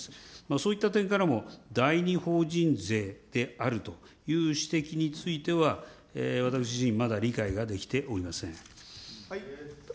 そういった点からも第二法人税であるという指摘については、私自身、まだ理解ができておりません。